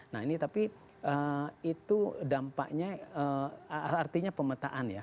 nah ini tapi itu dampaknya artinya pemetaan ya